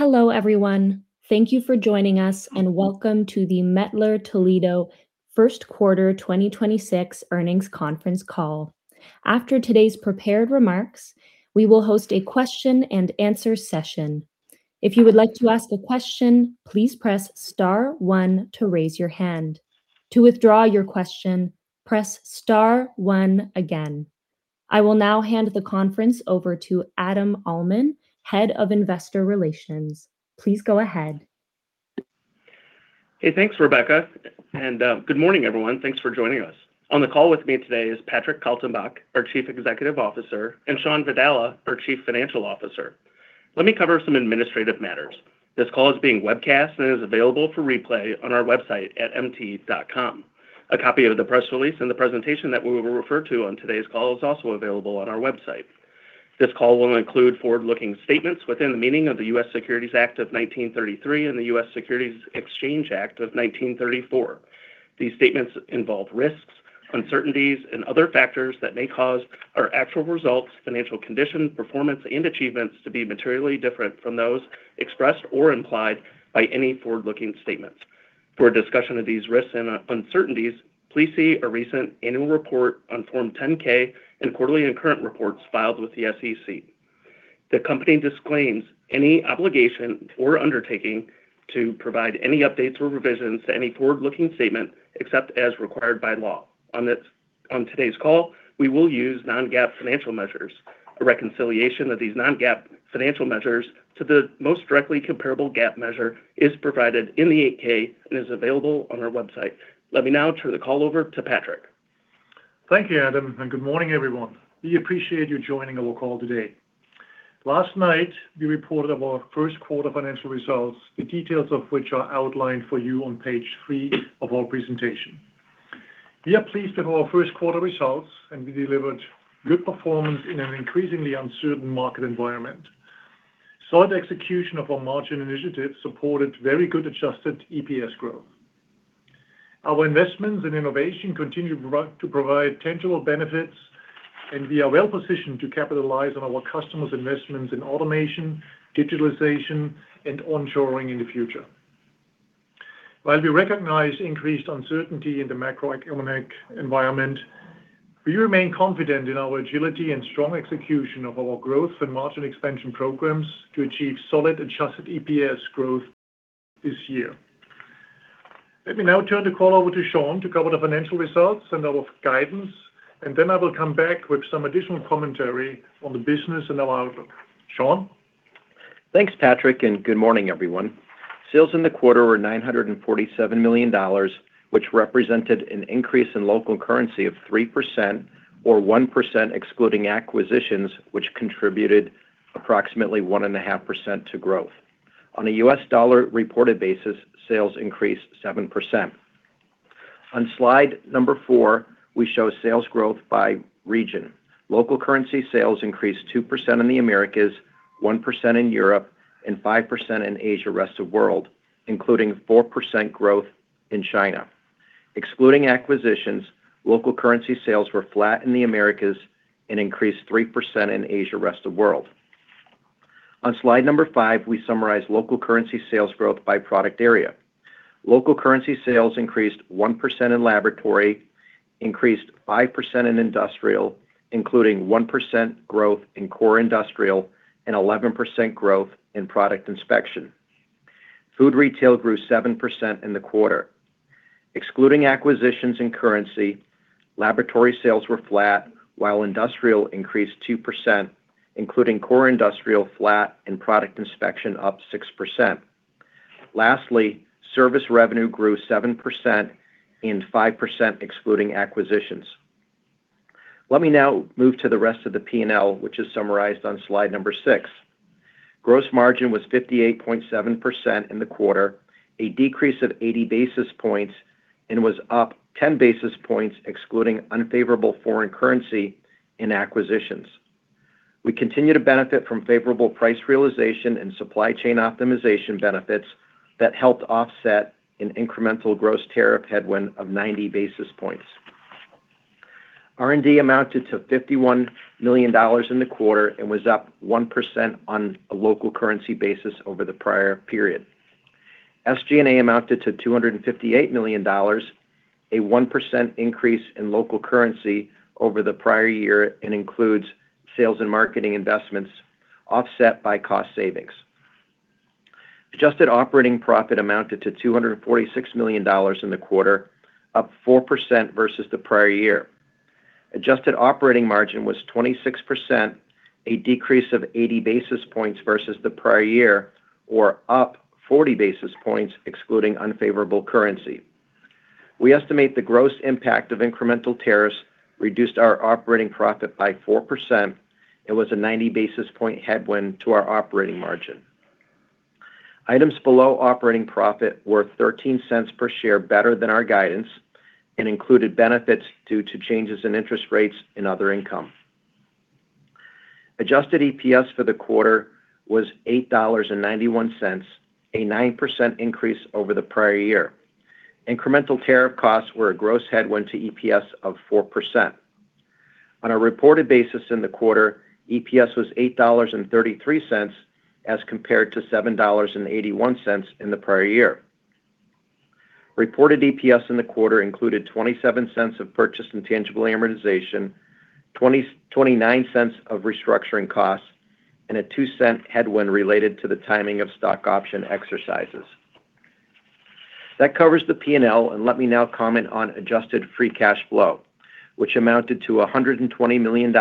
Hello, everyone. Thank you for joining us, and welcome to the Mettler-Toledo First Quarter 2026 Earnings Conference Call. After today's prepared remarks, we will host a question and answer session. If you would like to ask a question, please press star one to raise your hand. To withdraw your question, press star one again. I will now hand the conference over to Adam Uhlman, Head of Investor Relations. Please go ahead. Thanks, Rebecca, good morning, everyone. Thanks for joining us. On the call with me today is Patrick Kaltenbach, our Chief Executive Officer, and Shawn Vadala, our Chief Financial Officer. Let me cover some administrative matters. This call is being webcast and is available for replay on our website at mt.com. A copy of the press release and the presentation that we will refer to on today's call is also available on our website. This call will include forward-looking statements within the meaning of the U.S. Securities Act of 1933 and the U.S. Securities Exchange Act of 1934. These statements involve risks, uncertainties, and other factors that may cause our actual results, financial conditions, performance, and achievements to be materially different from those expressed or implied by any forward-looking statements. For a discussion of these risks and uncertainties, please see a recent annual report on Form 10-K and quarterly and current reports filed with the SEC. The company disclaims any obligation or undertaking to provide any updates or revisions to any forward-looking statement except as required by law. On today's call, we will use non-GAAP financial measures. A reconciliation of these non-GAAP financial measures to the most directly comparable GAAP measure is provided in the Form 8-K and is available on our website. Let me now turn the call over to Patrick. Thank you, Adam. Good morning, everyone. We appreciate you joining our call today. Last night, we reported our first quarter financial results, the details of which are outlined for you on page three of our presentation. We are pleased with our first quarter results. We delivered good performance in an increasingly uncertain market environment. Solid execution of our margin initiative supported very good adjusted EPS growth. Our investments in innovation continue to provide tangible benefits. We are well-positioned to capitalize on our customers' investments in automation, digitalization, and onshoring in the future. While we recognize increased uncertainty in the macroeconomic environment, we remain confident in our agility and strong execution of our growth and margin expansion programs to achieve solid adjusted EPS growth this year. Let me now turn the call over to Shawn to cover the financial results and our guidance, and then I will come back with some additional commentary on the business and our outlook. Shawn? Thanks, Patrick, and good morning, everyone. Sales in the quarter were $947 million, which represented an increase in local currency of 3% or 1% excluding acquisitions, which contributed approximately 1.5% to growth. On a U.S. dollar reported basis, sales increased 7%. On slide number four, we show sales growth by region. Local currency sales increased 2% in the Americas, 1% in Europe, and 5% in Asia rest of world, including 4% growth in China. Excluding acquisitions, local currency sales were flat in the Americas and increased 3% in Asia rest of world. On slide number five, we summarize local currency sales growth by product area. Local currency sales increased 1% in laboratory, increased 5% in industrial, including 1% growth in core industrial and 11% growth in Product Inspection. Food Retail grew 7% in the quarter. Excluding acquisitions and currency, laboratory sales were flat, while industrial increased 2%, including core industrial flat and Product Inspection up 6%. Lastly, service revenue grew 7% and 5% excluding acquisitions. Let me now move to the rest of the P&L, which is summarized on slide number six. Gross margin was 58.7% in the quarter, a decrease of 80 basis points, and was up 10 basis points excluding unfavorable foreign currency and acquisitions. We continue to benefit from favorable price realization and supply chain optimization benefits that helped offset an incremental gross tariff headwind of 90 basis points. R&D amounted to $51 million in the quarter and was up 1% on a local currency basis over the prior period. SG&A amounted to $258 million, a 1% increase in local currency over the prior year and includes sales and marketing investments offset by cost savings. Adjusted operating profit amounted to $246 million in the quarter, up 4% versus the prior year. Adjusted operating margin was 26%, a decrease of 80 basis points versus the prior year or up 40 basis points excluding unfavorable currency. We estimate the gross impact of incremental tariffs reduced our operating profit by 4% and was a 90 basis point headwind to our operating margin. Items below operating profit were $0.13 per share better than our guidance and included benefits due to changes in interest rates and other income. Adjusted EPS for the quarter was $8.91, a 9% increase over the prior year. Incremental tariff costs were a gross headwind to EPS of 4%. On a reported basis in the quarter, EPS was $8.33 as compared to $7.81 in the prior year. Reported EPS in the quarter included $0.27 of purchased intangible amortization, $0.29 of restructuring costs, and a $0.02 headwind related to the timing of stock option exercises. That covers the P&L. Let me now comment on adjusted free cash flow, which amounted to $120 million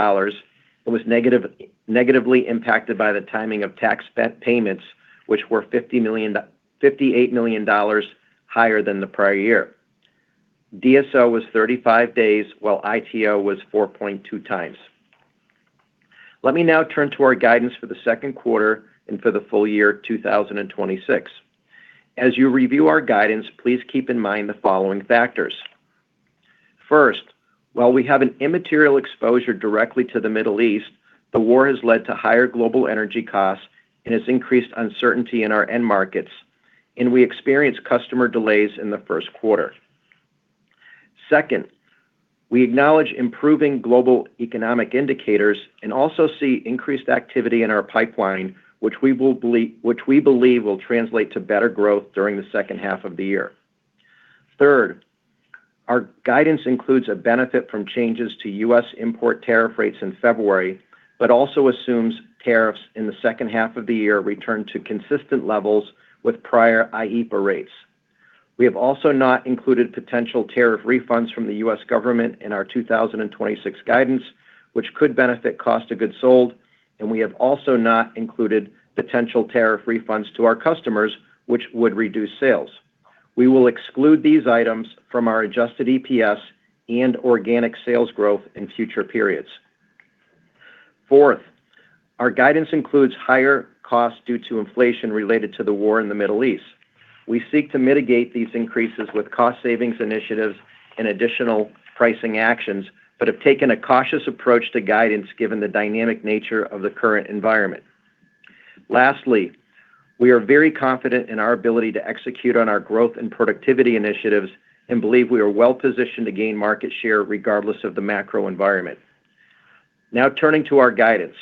and was negatively impacted by the timing of tax payments, which were $58 million higher than the prior year. DSO was 35 days, while ITO was 4.2x. Let me now turn to our guidance for the second quarter and for the full year 2026. As you review our guidance, please keep in mind the following factors. First, while we have an immaterial exposure directly to the Middle East, the war has led to higher global energy costs and has increased uncertainty in our end markets, and we experienced customer delays in the first quarter. Second, we acknowledge improving global economic indicators and also see increased activity in our pipeline, which we believe will translate to better growth during the second half of the year. Third, our guidance includes a benefit from changes to U.S. import tariff rates in February, but also assumes tariffs in the second half of the year return to consistent levels with prior IEEPA rates. We have also not included potential tariff refunds from the U.S. government in our 2026 guidance, which could benefit cost of goods sold, and we have also not included potential tariff refunds to our customers, which would reduce sales. We will exclude these items from our adjusted EPS and organic sales growth in future periods. Fourth, our guidance includes higher costs due to inflation related to the war in the Middle East. We seek to mitigate these increases with cost savings initiatives and additional pricing actions, but have taken a cautious approach to guidance given the dynamic nature of the current environment. Lastly, we are very confident in our ability to execute on our growth and productivity initiatives and believe we are well-positioned to gain market share regardless of the macro environment. Now turning to our guidance.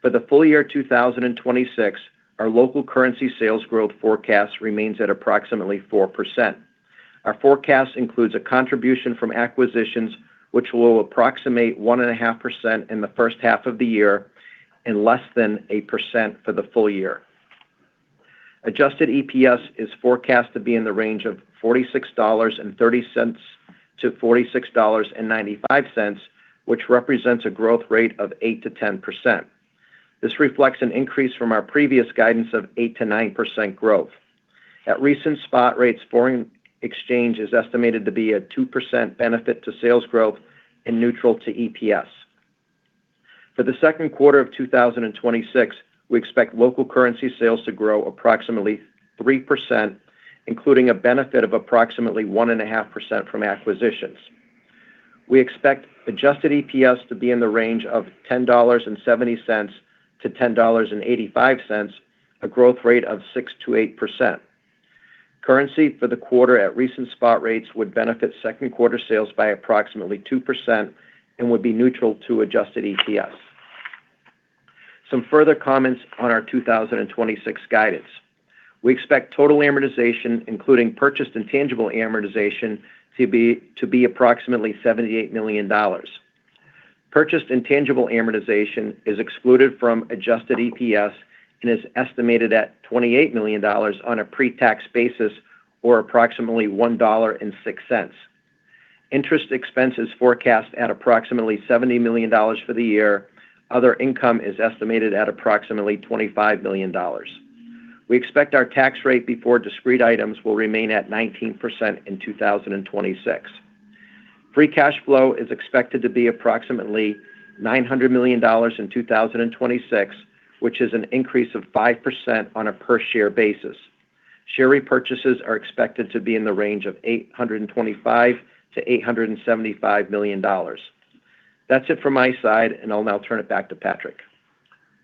For the full year 2026, our local currency sales growth forecast remains at approximately 4%. Our forecast includes a contribution from acquisitions which will approximate 1.5% in the first half of the year and less than 1% for the full year. Adjusted EPS is forecast to be in the range of $46.30-$46.95, which represents a growth rate of 8%-10%. This reflects an increase from our previous guidance of 8%-9% growth. At recent spot rates, foreign exchange is estimated to be a 2% benefit to sales growth and neutral to EPS. For the second quarter of 2026, we expect local currency sales to grow approximately 3%, including a benefit of approximately 1.5% from acquisitions. We expect adjusted EPS to be in the range of $10.70-$10.85, a growth rate of 6%-8%. Currency for the quarter at recent spot rates would benefit second quarter sales by approximately 2% and would be neutral to adjusted EPS. Some further comments on our 2026 guidance. We expect total amortization, including purchased intangible amortization, to be approximately $78 million. Purchased intangible amortization is excluded from adjusted EPS and is estimated at $28 million on a pre-tax basis or approximately $1.06. Interest expense is forecast at approximately $70 million for the year. Other income is estimated at approximately $25 million. We expect our tax rate before discrete items will remain at 19% in 2026. Free cash flow is expected to be approximately $900 million in 2026, which is an increase of 5% on a per-share basis. Share repurchases are expected to be in the range of $825 million-$875 million. That's it from my side, and I'll now turn it back to Patrick.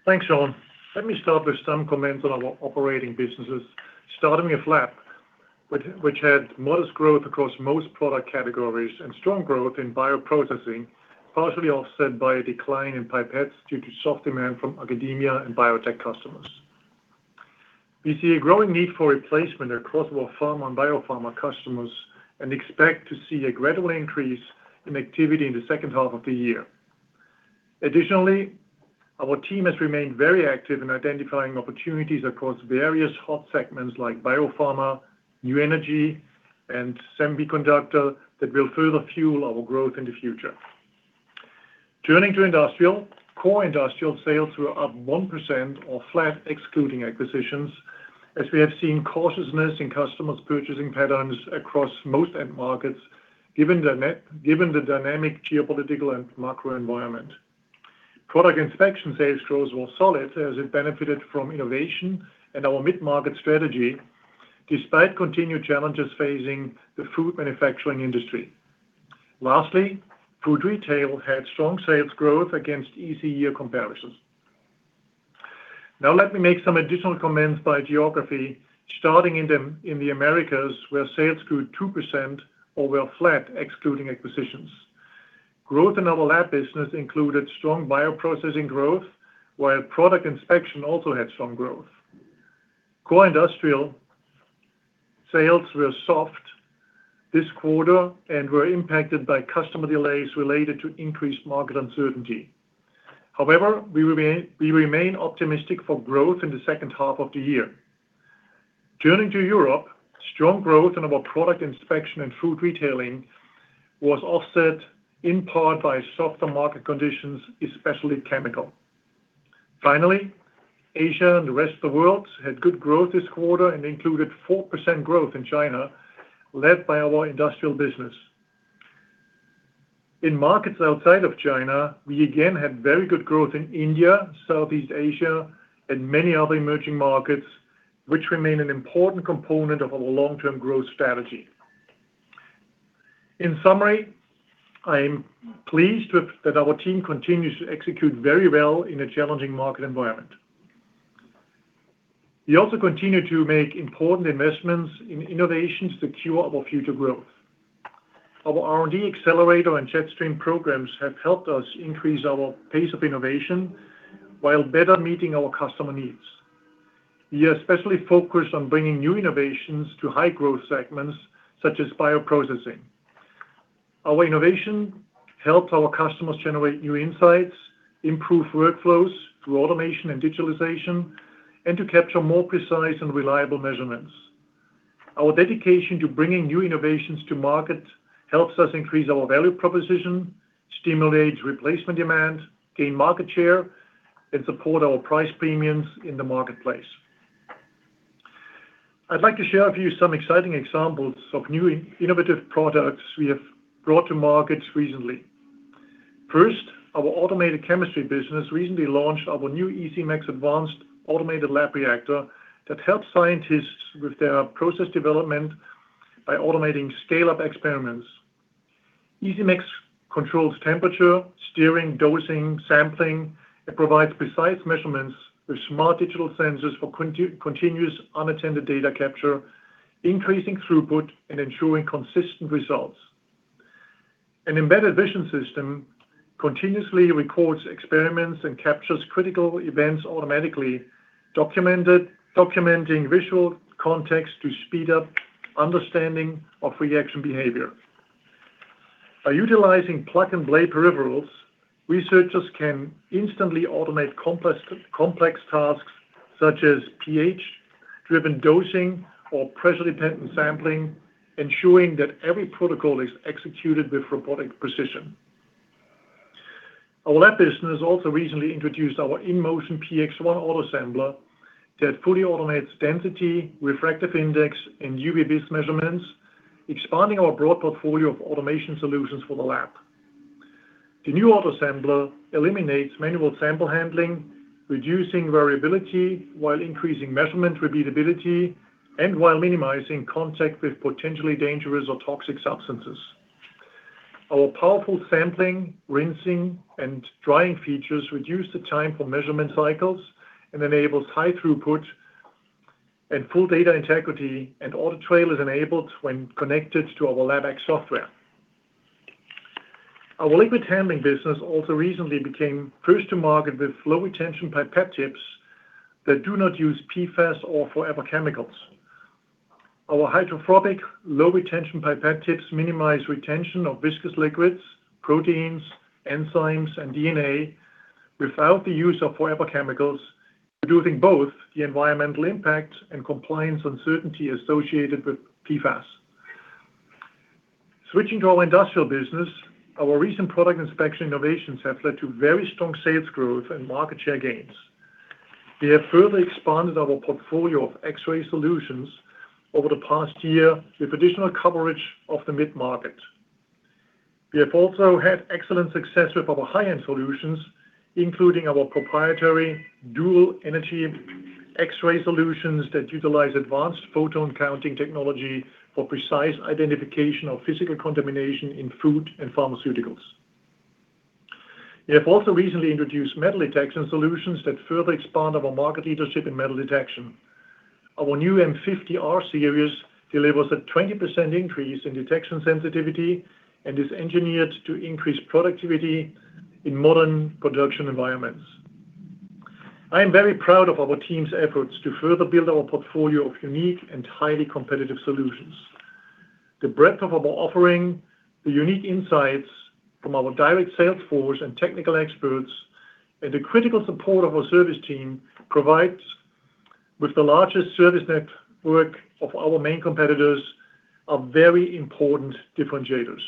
Thanks, Shawn. Let me start with some comments on our operating businesses, starting with Lab, which had modest growth across most product categories and strong growth in bioprocessing, partially offset by a decline in pipettes due to soft demand from academia and biotech customers. We see a growing need for replacement across both pharma and biopharma customers and expect to see a gradual increase in activity in the second half of the year. Our team has remained very active in identifying opportunities across various hot segments like biopharma, new energy, and semiconductor that will further fuel our growth in the future. Turning to Industrial, core Industrial sales were up 1% or flat excluding acquisitions, as we have seen cautiousness in customers' purchasing patterns across most end markets, given the dynamic geopolitical and macro environment. Product Inspection sales growth was solid as it benefited from innovation and our mid-market strategy despite continued challenges facing the food manufacturing industry. Lastly, Food Retail had strong sales growth against easy year comparisons. Let me make some additional comments by geography, starting in the Americas, where sales grew 2% or were flat excluding acquisitions. Growth in our lab business included strong bioprocessing growth, while Product Inspection also had strong growth. Core Industrial sales were soft this quarter and were impacted by customer delays related to increased market uncertainty. We remain optimistic for growth in the second half of the year. Turning to Europe, strong growth in our Product Inspection and Food Retail was offset in part by softer market conditions, especially chemical. Asia and the rest of the world had good growth this quarter and included 4% growth in China, led by our industrial business. In markets outside of China, we again had very good growth in India, Southeast Asia, and many other emerging markets, which remain an important component of our long-term growth strategy. I'm pleased that our team continues to execute very well in a challenging market environment. We also continue to make important investments in innovation to secure our future growth. Our R&D accelerator and JetStream programs have helped us increase our pace of innovation while better meeting our customer needs. We especially focus on bringing new innovations to high growth segments such as bioprocessing. Our innovation helps our customers generate new insights, improve workflows through automation and digitalization, and to capture more precise and reliable measurements. Our dedication to bringing new innovations to market helps us increase our value proposition, stimulates replacement demand, gain market share, and support our price premiums in the marketplace. I'd like to share with you some exciting examples of new innovative products we have brought to markets recently. First, our AutoChem business recently launched our new EasyMax Advanced automated lab reactor that helps scientists with their process development by automating scale-up experiments. EasyMax controls temperature, stirring, dosing, sampling. It provides precise measurements with smart digital sensors for continuous unattended data capture, increasing throughput and ensuring consistent results. An embedded vision system continuously records experiments and captures critical events automatically, documenting visual context to speed up understanding of reaction behavior. By utilizing plug and play peripherals, researchers can instantly automate complex tasks such as pH-driven dosing or pressure-dependent sampling, ensuring that every protocol is executed with robotic precision. Our lab business also recently introduced our InMotion PX One Autosampler that fully automates density, refractive index, and UV-VIS measurements, expanding our broad portfolio of automation solutions for the lab. The new Autosampler eliminates manual sample handling, reducing variability while increasing measurement repeatability, and while minimizing contact with potentially dangerous or toxic substances. Our powerful sampling, rinsing, and drying features reduce the time for measurement cycles and enables high throughput and full data integrity, and audit trail is enabled when connected to our LabX software. Our liquid handling business also recently became first to market with low retention pipette tips that do not use PFAS or forever chemicals. Our hydrophobic low retention pipette tips minimize retention of viscous liquids, proteins, enzymes, and DNA without the use of forever chemicals, reducing both the environmental impact and compliance uncertainty associated with PFAS. Switching to our industrial business, our recent Product Inspection innovations have led to very strong sales growth and market share gains. We have further expanded our portfolio of X-ray solutions over the past year with additional coverage of the mid-market. We have also had excellent success with our high-end solutions, including our proprietary dual energy X-ray solutions that utilize advanced photon counting technology for precise identification of physical contamination in food and pharmaceuticals. We have also recently introduced metal detection solutions that further expand our market leadership in metal detection. Our new M50 R-Series delivers a 20% increase in detection sensitivity and is engineered to increase productivity in modern production environments. I am very proud of our team's efforts to further build our portfolio of unique and highly competitive solutions. The breadth of our offering, the unique insights from our direct sales force and technical experts, and the critical support of our service team provides, with the largest service network of our main competitors, are very important differentiators.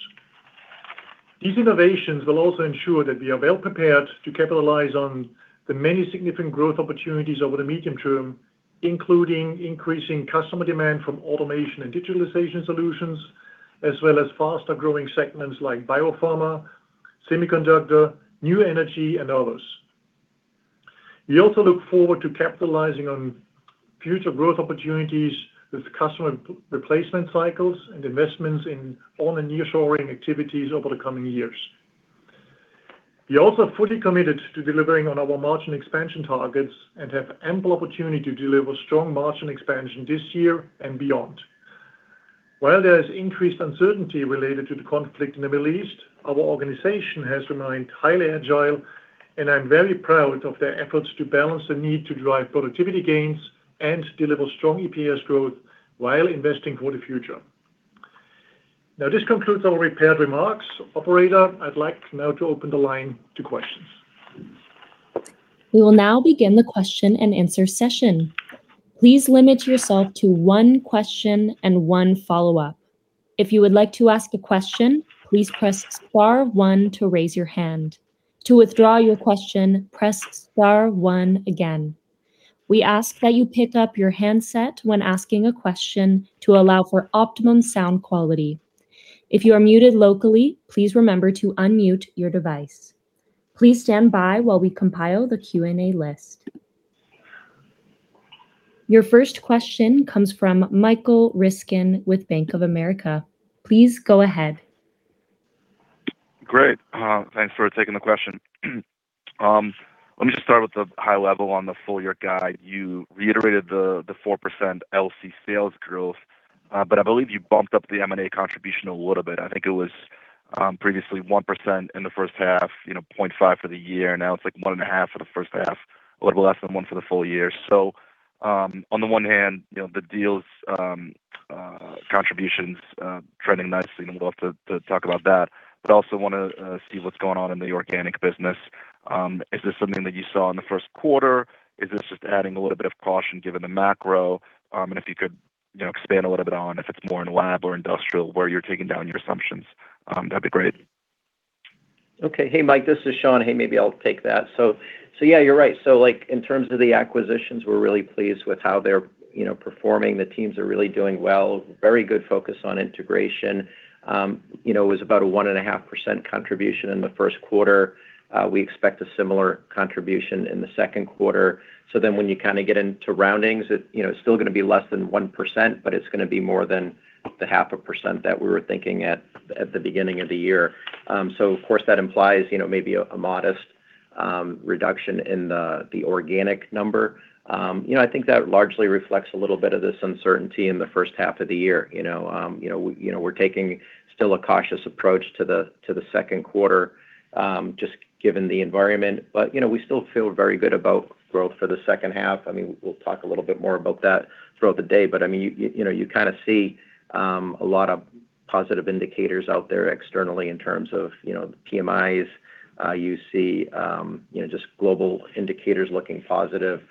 These innovations will also ensure that we are well prepared to capitalize on the many significant growth opportunities over the medium term, including increasing customer demand from automation and digitalization solutions, as well as faster-growing segments like biopharma, semiconductor, new energy, and others. We also look forward to capitalizing on future growth opportunities with customer replacement cycles and investments in on and nearshoring activities over the coming years. We are also fully committed to delivering on our margin expansion targets and have ample opportunity to deliver strong margin expansion this year and beyond. While there is increased uncertainty related to the conflict in the Middle East, our organization has remained highly agile, and I'm very proud of their efforts to balance the need to drive productivity gains and deliver strong EPS growth while investing for the future. This concludes our prepared remarks. Operator, I'd like now to open the line to questions. Your first question comes from Michael Ryskin with Bank of America. Please go ahead. Great. Thanks for taking the question. Let me just start with the high-level on the full-year guide. You reiterated the 4% LC sales growth, I believe you bumped up the M&A contribution a little bit. I think it was previously 1% in the first half, you know, 0.5 for the year. Now it's like 1.5 for the first half, a little less than one for the full-year. On the one hand, you know, the deals contributions trending nicely, and we'd love to talk about that, but also wanna see what's going on in the organic business. Is this something that you saw in the first quarter? Is this just adding a little bit of caution given the macro? If you could, you know, expand a little bit on if it's more in lab or industrial where you're taking down your assumptions, that'd be great. Okay. Hey, Mike, this is Shawn. Hey, maybe I'll take that. Yeah, you're right. Like, in terms of the acquisitions, we're really pleased with how they're, you know, performing. The teams are really doing well. Very good focus on integration. You know, it was about a 1.5% contribution in the first quarter. We expect a similar contribution in the second quarter. When you kind of get into roundings, it, you know, it's still gonna be less than 1%, but it's gonna be more than the 0.5% that we were thinking at the beginning of the year. Of course, that implies, you know, maybe a modest reduction in the organic number. You know, I think that largely reflects a little bit of this uncertainty in the first half of the year, you know. You know, we, you know, we're taking still a cautious approach to the, to the second quarter, just given the environment. You know, we still feel very good about growth for the second half. I mean, we'll talk a little bit more about that throughout the day, I mean, you know, you kind of see a lot of positive indicators out there externally in terms of, you know, PMI. You see, you know, just global indicators looking positive.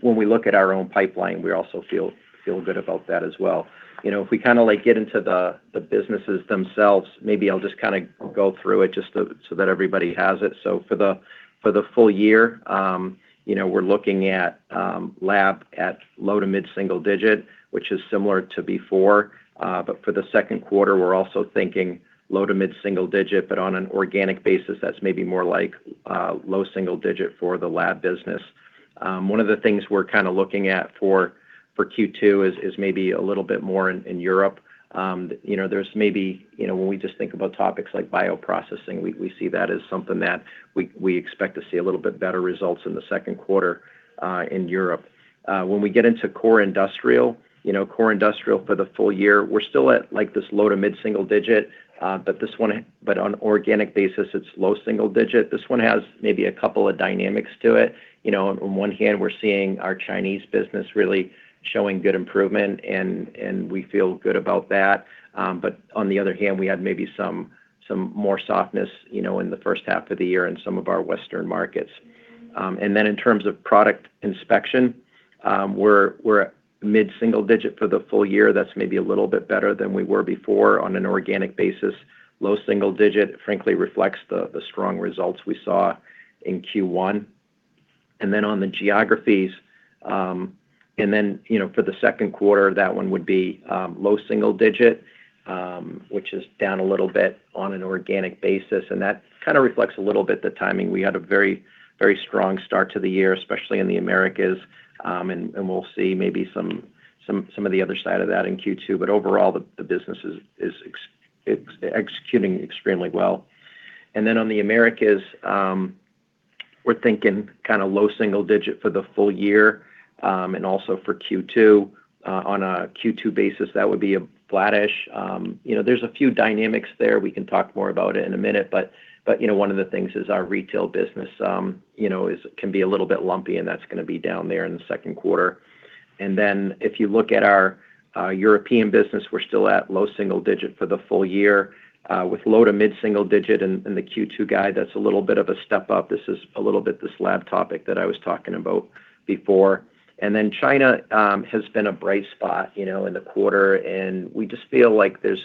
When we look at our own pipeline, we also feel good about that as well. You know, if we kind of like get into the businesses themselves, maybe I'll just kind of go through it just to, so that everybody has it. For the full year, you know, we're looking at Lab at low to mid-single digit, which is similar to before. For the second quarter, we're also thinking low to mid-single digit, on an organic basis, that's maybe more like low single digit for the Lab business. One of the things we're kind of looking at for Q2 is maybe a little bit more in Europe. You know, there's you know, when we just think about topics like bioprocessing, we see that as something that we expect to see a little bit better results in the second quarter in Europe. When we get into core industrial, you know, core industrial for the full year, we're still at like this low to mid-single digit, but on organic basis, it's low single digit. This one has maybe a couple of dynamics to it. You know, on one hand, we're seeing our Chinese business really showing good improvement, and we feel good about that. On the other hand, we had maybe some more softness, you know, in the first half of the year in some of our Western markets. In terms of Product Inspection, we're at mid-single digit for the full year. That's maybe a little bit better than we were before. On an organic basis, low single digit frankly reflects the strong results we saw in Q1. On the geographies, you know, for the second quarter, that one would be low single-digit, which is down a little bit on an organic basis, and that kind of reflects a little bit the timing. We had a very, very strong start to the year, especially in the Americas, and we'll see maybe some of the other side of that in Q2. Overall, the business is executing extremely well. On the Americas, we're thinking kind of low single-digit for the full year, and also for Q2. On a Q2 basis, that would be a flattish. You know, there's a few dynamics there. We can talk more about it in a minute, you know, one of the things is our retail business, you know, can be a little bit lumpy, and that's gonna be down there in the second quarter. If you look at our European business, we're still at low single-digit for the full year, with low to mid-single-digit in the Q2 guide. That's a little bit of a step up. This is a little bit this lab topic that I was talking about before. China has been a bright spot, you know, in the quarter, and we just feel like there's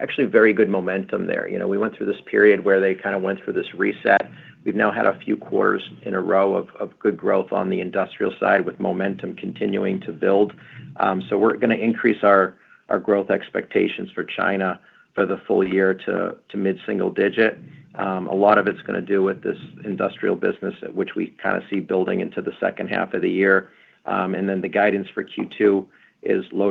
actually very good momentum there. You know, we went through this period where they kind of went through this reset. We've now had a few quarters in a row of good growth on the industrial side with momentum continuing to build. We're gonna increase our growth expectations for China for the full year to mid-single digit. A lot of it's gonna do with this industrial business, which we kind of see building into the second half of the year. The guidance for Q2 is low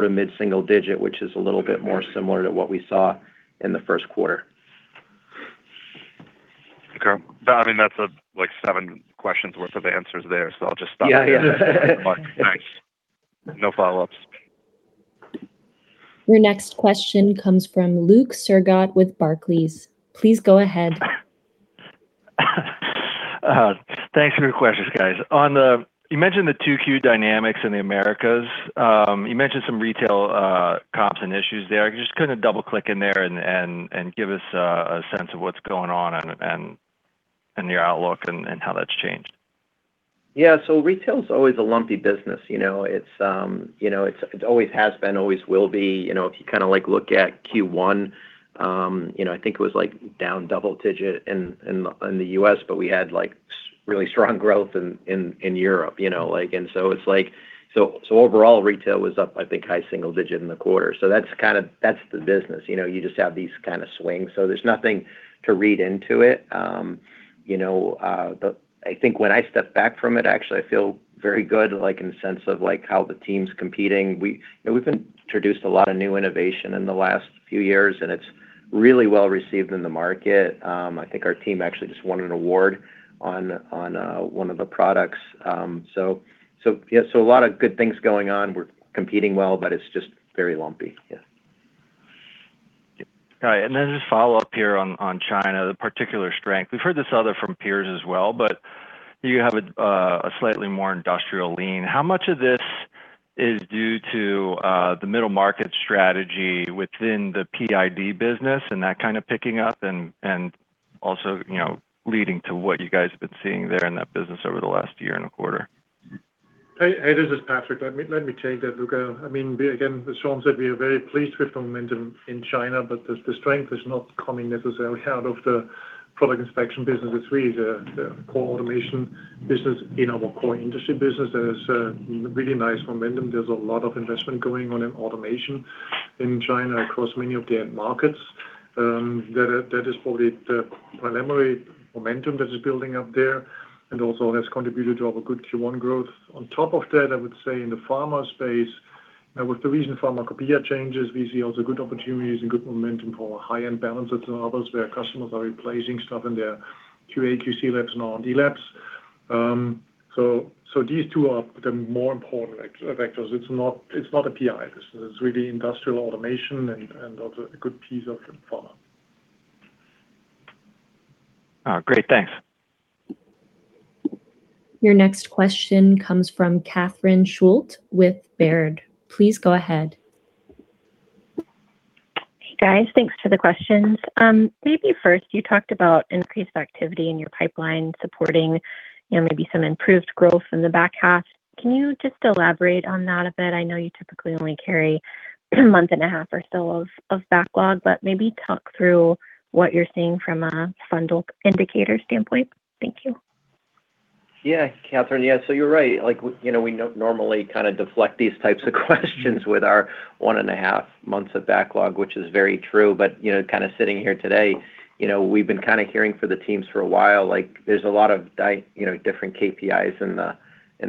to mid-single digit, which is a little bit more similar to what we saw in the first quarter. Okay. I mean, that's like seven questions worth of answers there. I'll just stop there. Yeah, yeah. Thanks. No follow-ups. Your next question comes from Luke Sergott with Barclays. Please go ahead. Thanks for the questions, guys. You mentioned the 2Q dynamics in the Americas. You mentioned some retail comps and issues there. Can you just kind of double-click in there and give us a sense of what's going on and your outlook and how that's changed? Yeah. Retail's always a lumpy business, you know? It's, you know, it's, it always has been, always will be. You know, if you kind of like look at Q1, you know, I think it was like down double-digit in the, in the U.S., but we had like really strong growth in, in Europe, you know? Overall retail was up, I think, high single-digit in the quarter. That's the business. You know, you just have these kind of swings. There's nothing to read into it. You know, I think when I step back from it, actually, I feel very good, like in the sense of like how the team's competing. We, you know, we've introduced a lot of new innovation in the last few years, and it's really well-received in the market. I think our team actually just won an award on one of the products. Yeah, a lot of good things going on. We're competing well, but it's just very lumpy. Yeah. All right. Just follow up here on China, the particular strength. We've heard this other from peers as well, but you have a slightly more industrial lean. How much of this is due to the middle market strategy within the PI business and that kind of picking up and, also, you know, leading to what you guys have been seeing there in that business over the last year and a quarter? Hey, hey, this is Patrick. Let me take that, Luke. I mean, we again, as Shawn said, we are very pleased with the momentum in China, but the strength is not coming necessarily out of the Product Inspection business. It's really the core automation business in our core industry business that has really nice momentum. There's a lot of investment going on in automation in China across many of their markets, that is probably the primary momentum that is building up there and also has contributed to have a good Q1 growth. On top of that, I would say in the pharma space, with the recent pharmacopeia changes, we see also good opportunities and good momentum for high-end balances and others where customers are replacing stuff in their QA, QC labs and R&D labs. These two are the more important vectors. It's not a PI. This is really industrial automation and also a good piece of the pharma. Oh, great. Thanks. Your next question comes from Catherine Schulte with Baird. Please go ahead. Hey, guys. Thanks for the questions. Maybe first, you talked about increased activity in your pipeline supporting, you know, maybe some improved growth in the back half. Can you just elaborate on that a bit? I know you typically only carry a month and a half or so of backlog, but maybe talk through what you're seeing from a funnel indicator standpoint. Thank you. Yeah. You're right. You know, we normally kind of deflect these types of questions with our one and a half months of backlog, which is very true. You know, kind of sitting here today, you know, we've been kind of hearing for the teams for a while, there's a lot of you know, different KPIs in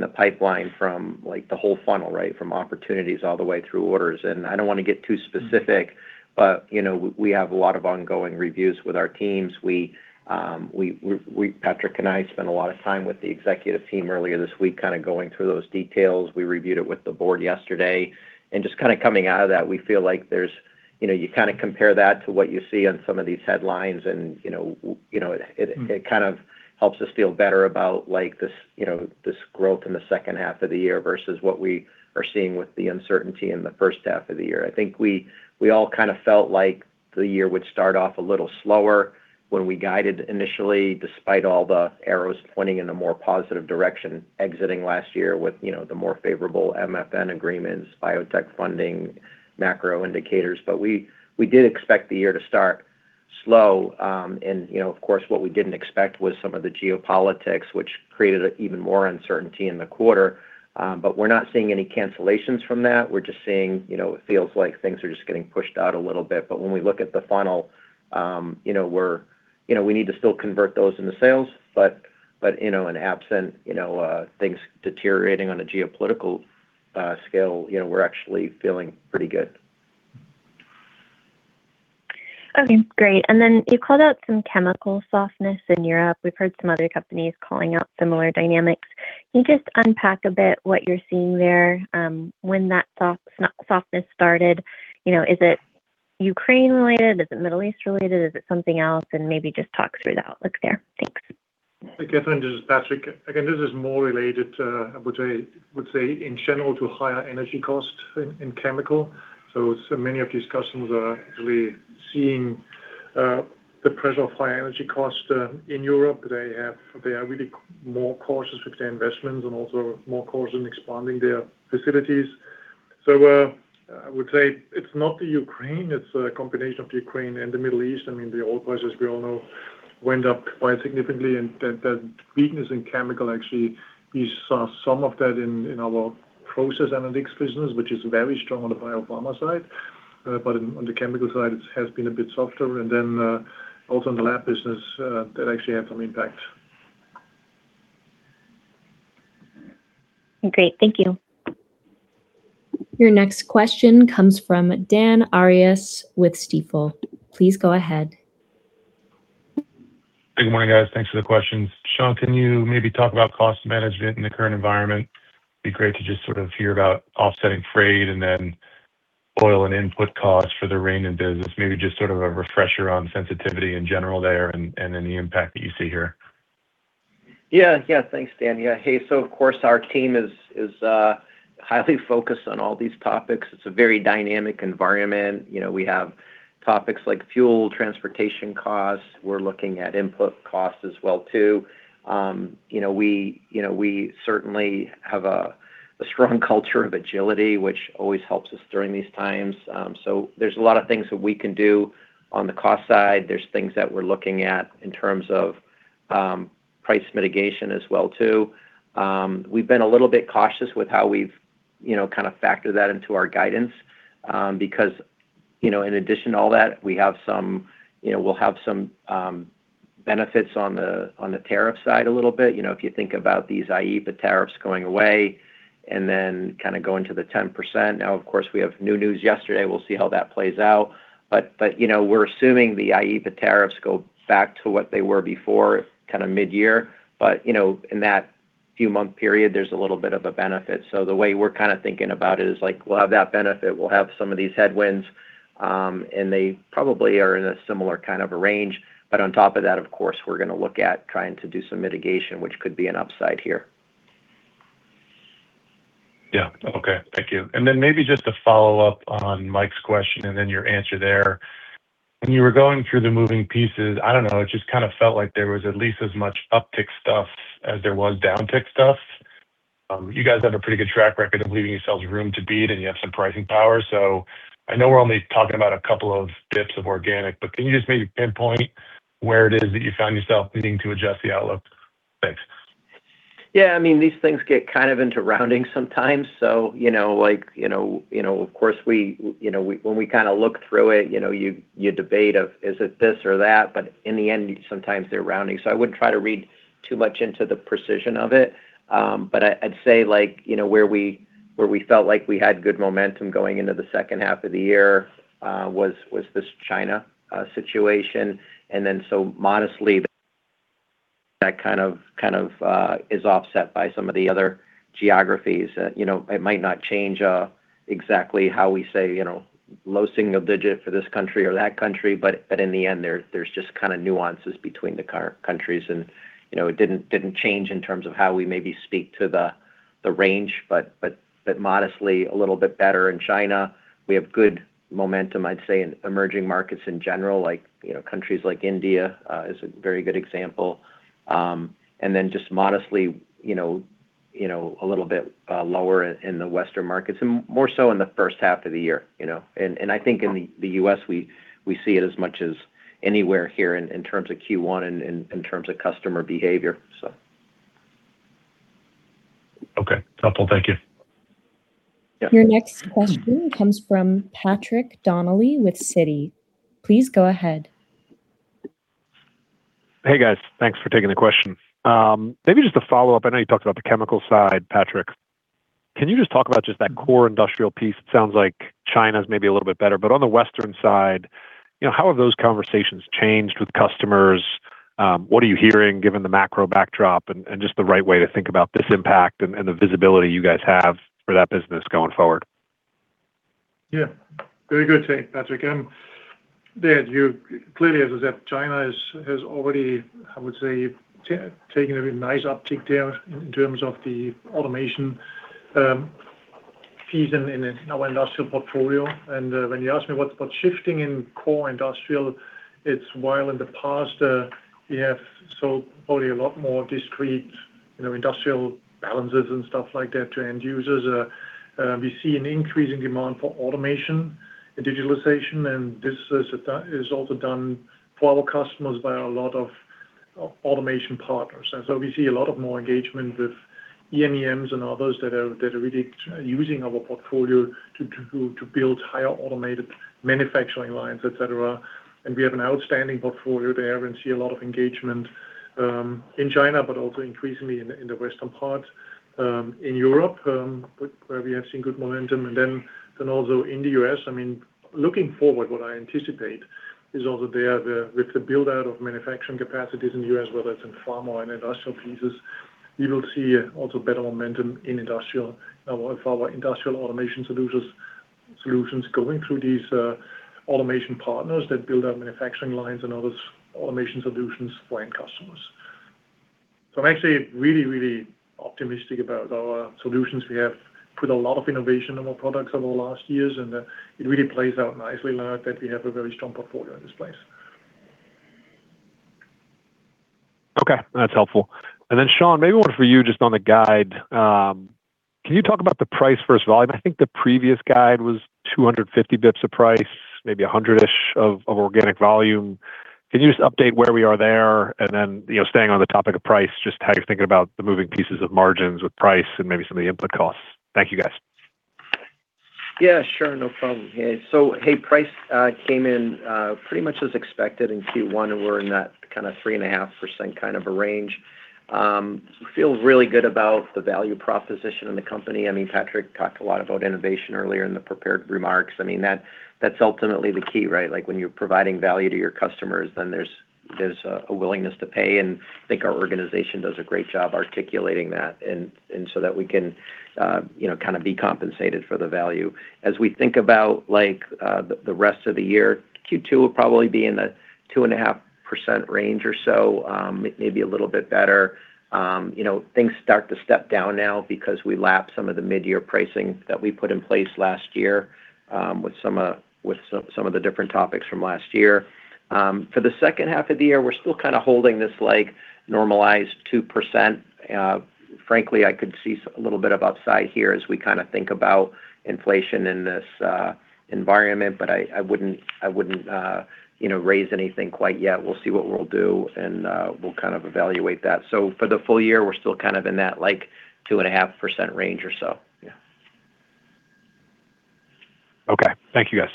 the pipeline from the whole funnel, right? From opportunities all the way through orders. I don't want to get too specific, you know, we have a lot of ongoing reviews with our teams. We, Patrick and I spent a lot of time with the Executive Team earlier this week, kind of going through those details. We reviewed it with the Board yesterday. Just kind of coming out of that, we feel like there's, you know, you kind of compare that to what you see on some of these headlines and, you know, it kind of helps us feel better about like this, you know, this growth in the second half of the year versus what we are seeing with the uncertainty in the first half of the year. I think we all kind of felt like the year would start off a little slower when we guided initially, despite all the arrows pointing in a more positive direction exiting last year with, you know, the more favorable MFN agreements, biotech funding, macro indicators. We did expect the year to start slow. You know, of course, what we didn't expect was some of the geopolitics, which created even more uncertainty in the quarter. We're not seeing any cancellations from that. We're just seeing, you know, it feels like things are just getting pushed out a little bit. When we look at the funnel, you know, we're, you know, we need to still convert those into sales. You know, and absent, you know, things deteriorating on a geopolitical scale, you know, we're actually feeling pretty good. Okay, great. Then you called out some chemical softness in Europe. We've heard some other companies calling out similar dynamics. Can you just unpack a bit what you're seeing there, when that softness started? You know, is it Ukraine related? Is it Middle East related? Is it something else? Maybe just talk through the outlook there. Thanks. Hey, Catherine. This is Patrick. Again, this is more related to, I would say in general to higher energy cost in chemical. So many of these customers are actually seeing the pressure of high energy cost in Europe. They are really more cautious with their investments and also more cautious in expanding their facilities. I would say it's not the Ukraine, it's a combination of the Ukraine and the Middle East. I mean, the oil prices, as we all know, went up quite significantly. That, that weakness in chemical, actually, we saw some of that in our process analytics business, which is very strong on the biopharma side. On the chemical side, it has been a bit softer. Then also in the lab business, that actually had some impact. Great. Thank you. Your next question comes from Dan Arias with Stifel. Please go ahead. Good morning, guys. Thanks for the questions. Shawn, can you maybe talk about cost management in the current environment? It'd be great to just sort of hear about offsetting freight and then oil and input costs for the Rainin business. Maybe just sort of a refresher on sensitivity in general there and then the impact that you see here. Yeah, yeah. Thanks, Dan. Yeah. Hey, so of course our team is highly focused on all these topics. It's a very dynamic environment. You know, we have topics like fuel, transportation costs. We're looking at input costs as well too. You know, we certainly have a strong culture of agility, which always helps us during these times. There's a lot of things that we can do on the cost side. There's things that we're looking at in terms of price mitigation as well too. We've been a little bit cautious with how we've, you know, kind of factored that into our guidance, because, you know, in addition to all that, we have some, you know, we'll have some benefits on the tariff side a little bit. You know, if you think about these IEEPA, the tariffs going away and then kind of going to the 10%. Of course, we have new news yesterday. We'll see how that plays out. You know, we're assuming the IEEPA, the tariffs go back to what they were before kind of midyear. You know, in that few month period, there's a little bit of a benefit. The way we're kind of thinking about it is like we'll have that benefit, we'll have some of these headwinds, they probably are in a similar kind of a range. On top of that, of course, we're gonna look at trying to do some mitigation, which could be an upside here. Yeah. Okay. Thank you. Maybe just to follow up on Mike's question and then your answer there. When you were going through the moving pieces, I don't know, it just kind of felt like there was at least as much uptick stuff as there was downtick stuff. You guys have a pretty good track record of leaving yourselves room to beat, and you have some pricing power. I know we're only talking about a couple of dips of organic, but can you just maybe pinpoint where it is that you found yourself needing to adjust the outlook? Thanks. Yeah, I mean, these things get kind of into rounding sometimes. You know, like, you know, you know, of course we, when we kind of look through it, you know, you debate of is it this or that? In the end, sometimes they're rounding. I wouldn't try to read too much into the precision of it. I'd say like, you know, where we felt like we had good momentum going into the second half of the year, was this China situation. Modestly that kind of is offset by some of the other geographies. You know, it might not change exactly how we say, you know, low single-digit for this country or that country, but in the end, there's just kind of nuances between the countries and, you know, it didn't change in terms of how we maybe speak to the range, but modestly a little bit better in China. We have good momentum, I'd say in emerging markets in general, like, you know, countries like India, is a very good example. Then just modestly, you know, a little bit lower in the Western markets and more so in the first half of the year, you know. I think in the U.S. we see it as much as anywhere here in terms of Q1 in terms of customer behavior. Okay. Helpful. Thank you. Yeah. Your next question comes from Patrick Donnelly with Citi. Please go ahead. Hey, guys. Thanks for taking the question. Maybe just to follow up, I know you talked about the chemical side, Patrick. Can you just talk about just that core industrial piece? It sounds like China's maybe a little bit better, but on the Western side, you know, how have those conversations changed with customers? What are you hearing given the macro backdrop and just the right way to think about this impact and the visibility you guys have for that business going forward? Yeah. Very good. Hey, Patrick. Clearly as that China is, has already, I would say, taken a very nice uptick there in terms of the automation piece in our industrial portfolio. When you ask me what's shifting in core industrial, it's while in the past, we have sold probably a lot more discrete, you know, industrial balances and stuff like that to end users. We see an increasing demand for automation and digitalization, and this is also done for our customers by a lot of automation partners. We see a lot of more engagement with OEMs and others that are really using our portfolio to build higher automated manufacturing lines, et cetera. We have an outstanding portfolio there and see a lot of engagement in China, but also increasingly in the western part in Europe, where we have seen good momentum. Also in the U.S. I mean looking forward, what I anticipate is also there the, with the build out of manufacturing capacities in the U.S., whether it's in pharma and industrial pieces, you will see also better momentum in industrial. Now with our industrial automation solutions going through these automation partners that build out manufacturing lines and other automation solutions for end customers. I'm actually really optimistic about our solutions. We have put a lot of innovation in our products over the last years, it really plays out nicely now that we have a very strong portfolio in this place. Okay. That's helpful. Then Shawn, maybe one for you just on the guide. Can you talk about the price versus volume? I think the previous guide was 250 basis points of price, maybe 100-ish of organic volume. Can you just update where we are there? Then, you know, staying on the topic of price, just how you're thinking about the moving pieces of margins with price and maybe some of the input costs. Thank you, guys. Price came in pretty much as expected in Q1, and we're in that kind of 3.5% kind of a range. Feel really good about the value proposition in the company. I mean, Patrick talked a lot about innovation earlier in the prepared remarks. I mean, that's ultimately the key, right? When you're providing value to your customers, there's a willingness to pay, and I think our organization does a great job articulating that and so that we can, you know, kind of be compensated for the value. As we think about the rest of the year, Q2 will probably be in the 2.5% range or so, maybe a little bit better. You know, things start to step down now because we lap some of the midyear pricing that we put in place last year, with some of the different topics from last year. For the second half of the year, we're still kind of holding this, like, normalized 2%. Frankly, I could see a little bit of upside here as we kind of think about inflation in this environment, but I wouldn't, I wouldn't, you know, raise anything quite yet. We'll see what we'll do, and we'll kind of evaluate that. For the full year, we're still kind of in that, like, 2.5% range or so. Yeah. Okay. Thank you, guys.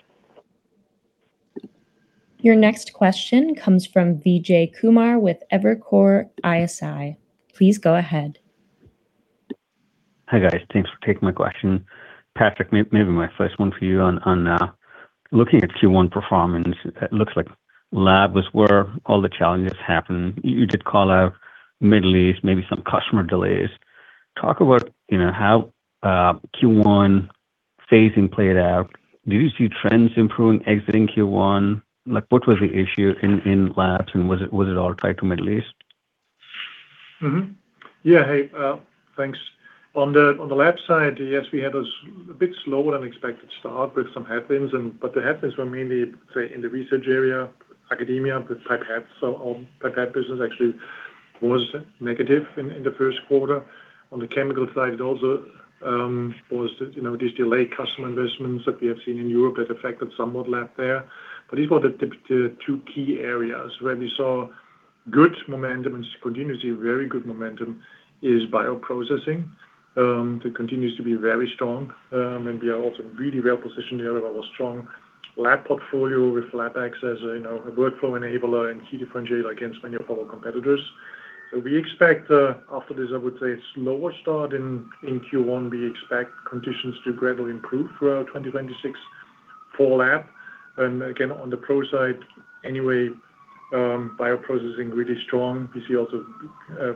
Your next question comes from Vijay Kumar with Evercore ISI. Please go ahead. Hi, guys. Thanks for taking my question. Patrick, maybe my first one for you on, looking at Q1 performance, it looks like lab was where all the challenges happened. You did call out Middle East, maybe some customer delays. Talk about, you know, how Q1 phasing played out. Do you see trends improving exiting Q1? Like, what was the issue in labs, and was it all tied to Middle East? Mm-hmm. Yeah. Hey, thanks. On the lab side, yes, we had a bit slower than expected start with some headwinds. The headwinds were mainly, say, in the research area, academia with pipettes. Our pipette business actually was negative in the first quarter. On the chemical side, it also, you know, was these delayed customer investments that we have seen in Europe that affected somewhat lab there. These were the two key areas. Where we saw good momentum and continuously very good momentum is bioprocessing. That continues to be very strong. We are also really well-positioned there with our strong lab portfolio with LabX as, you know, a workflow enabler and key differentiator against many of our competitors. We expect, after this, I would say, slower start in Q1, we expect conditions to gradually improve throughout 2026 for lab. Again, on the pro side, anyway, bioprocessing really strong. We see also,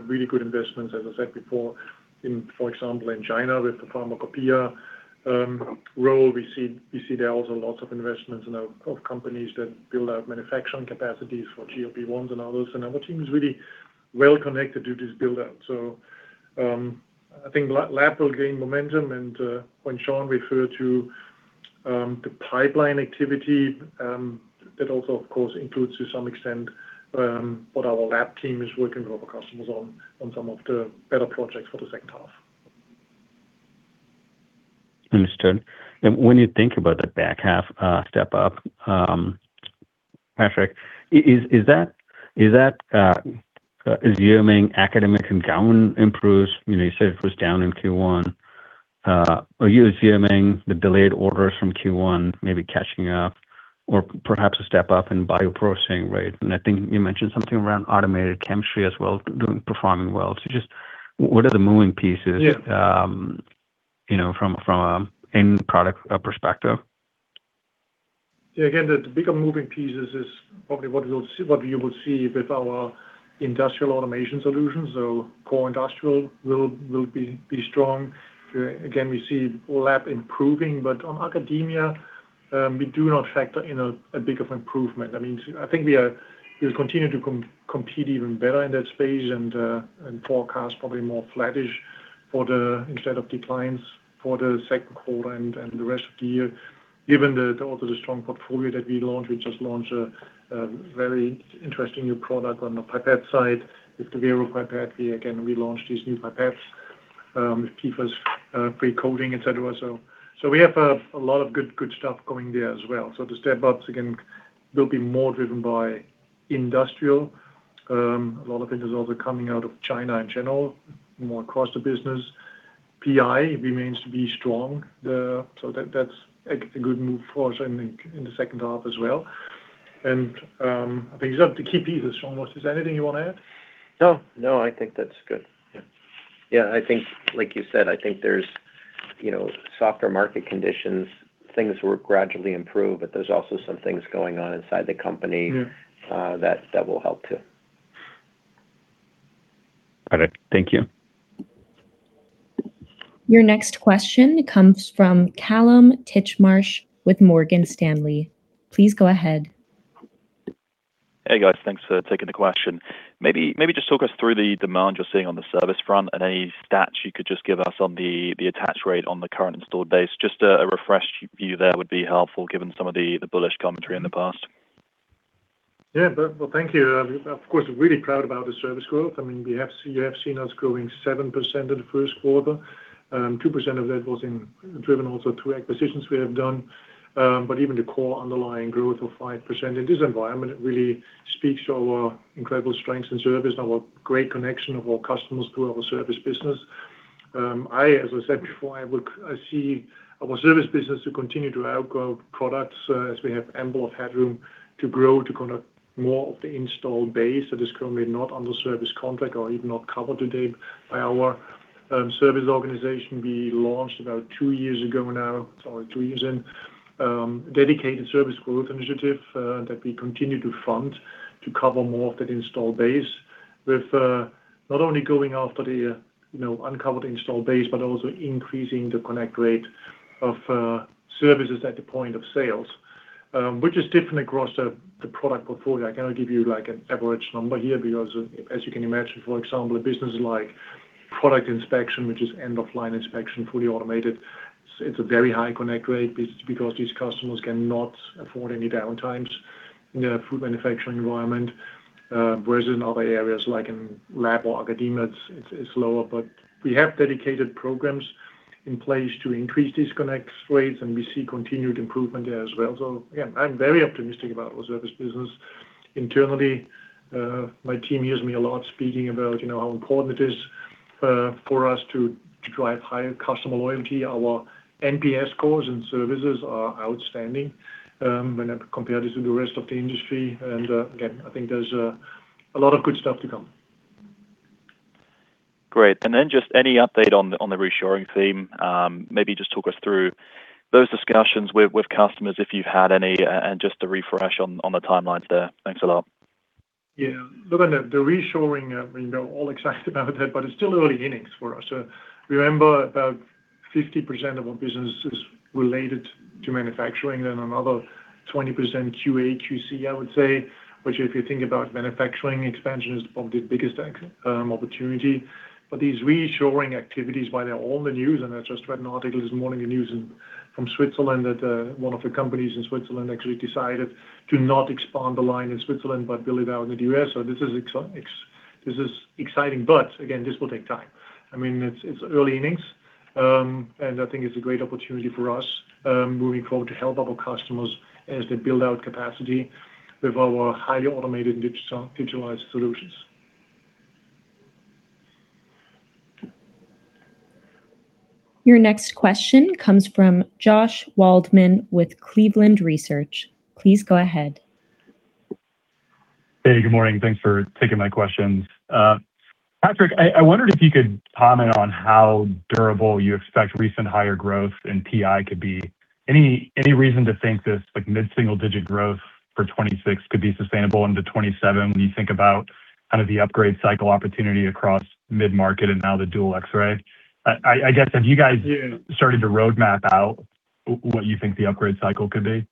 really good investments, as I said before, in, for example, in China with the Pharmacopeia role. We see there also lots of investments, you know, of companies that build out manufacturing capacities for GLP-1s and others. Our team is really well connected to this build-out. I think lab will gain momentum and, when Shawn referred to, the pipeline activity, that also of course includes to some extent, what our lab team is working with our customers on some of the better projects for the second half. Understood. When you think about that back half, step up, Patrick, is that assuming academic and government improves? You know, you said it was down in Q1. Are you assuming the delayed orders from Q1 maybe catching up or perhaps a step up in bioprocessing, right? I think you mentioned something around automated chemistry as well doing, performing well. Just what are the moving pieces? Yeah You know, from a, from a end product, perspective? Yeah, again, the bigger moving pieces is probably what you will see with our industrial automation solutions. Core Industrial will be strong. Again, we see lab improving, but on academia, we do not factor in a big of improvement. I mean, I think we'll continue to compete even better in that space and forecast probably more flattish for the instead of declines for the second quarter and the rest of the year. Given the, also the strong portfolio that we launched, we just launched a very interesting new product on the pipette side with the Vero pipette. We again relaunched these new pipettes with PFAS free coating, et cetera. We have a lot of good stuff going there as well. The step-ups, again, will be more driven by industrial. A lot of it is also coming out of China in general, more across the business. PI remains to be strong. That, that's a good move for us in the, in the second half as well. I think these are the key pieces, Shawn. Was there anything you wanna add? No. I think that's good. Yeah. I think, like you said, I think there's, you know, softer market conditions. Things will gradually improve, but there's also some things going on inside the company. That will help too. All right. Thank you. Your next question comes from Kallum Titchmarsh with Morgan Stanley. Please go ahead. Hey, guys. Thanks for taking the question. Maybe just talk us through the demand you're seeing on the service front and any stats you could just give us on the attach rate on the current installed base. Just a refreshed view there would be helpful given some of the bullish commentary in the past. Yeah. Thank you. Of course, we're really proud about the service growth. I mean, we have you have seen us growing 7% in the first quarter. 2% of that was driven also through acquisitions we have done. Even the core underlying growth of 5% in this environment, it really speaks to our incredible strength and service, and our great connection of our customers through our service business. I, as I said before, I see our service business to continue to outgrow products, as we have ample of headroom to grow, to connect more of the installed base that is currently not under service contract or even not covered today by our service organization. We launched about two years ago now, or two years in, dedicated service growth initiative that we continue to fund to cover more of that installed base with not only going after the, you know, uncovered installed base, but also increasing the connect rate of services at the point of sales, which is different across the product portfolio. I cannot give you, like, an average number here because as you can imagine, for example, a business like Product Inspection, which is end-of-line inspection, fully automated, it's a very high connect rate because these customers cannot afford any downtimes in their food manufacturing environment. Whereas in other areas like in lab or academia, it's lower. We have dedicated programs in place to increase these connect rates, and we see continued improvement there as well. Again, I'm very optimistic about our service business. Internally, my team hears me a lot speaking about, you know, how important it is for us to drive higher customer loyalty. Our NPS scores and services are outstanding, when I compare this with the rest of the industry. Again, I think there's a lot of good stuff to come. Great. Just any update on the reshoring theme. Maybe just talk us through those discussions with customers, if you've had any, and just the refresh on the timelines there. Thanks a lot. Look, the reshoring, we know all excited about it, but it's still early innings for us. Remember, about 50% of our business is related to manufacturing, then another 20% QA, QC, I would say, which if you think about manufacturing expansion is probably the biggest opportunity. These reshoring activities, while they're all the news, and I just read an article this morning news in from Switzerland that one of the companies in Switzerland actually decided to not expand the line in Switzerland, but build it out in the U.S. This is exciting, but again, this will take time. I mean, it's early innings, and I think it's a great opportunity for us moving forward to help our customers as they build out capacity with our highly automated digitalized solutions. Your next question comes from Josh Waldman with Cleveland Research. Please go ahead. Hey, good morning. Thanks for taking my questions. Patrick, I wondered if you could comment on how durable you expect recent higher growth in PI could be. Any reason to think this, like, mid-single-digit growth for 2026 could be sustainable into 2027 when you think about kind of the upgrade cycle opportunity across mid-market and now the dual X-ray? I guess, have you guys? Yeah started to roadmap out what you think the upgrade cycle could be?